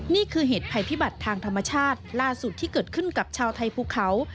นี่คือเหตุภัยพิบัติทางธรรมชาติล่าสุดที่เกิดขึ้นกับชาวไทยภูเขา